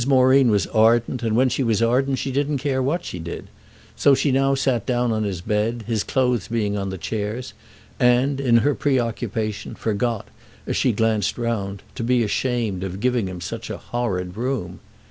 Moreen was ardent, and when she was ardent she didn't care what she did; so she now sat down on his bed, his clothes being on the chairs, and, in her preoccupation, forgot, as she glanced round, to be ashamed of giving him such a horrid room.